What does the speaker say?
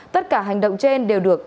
tất cả hành động trên đều được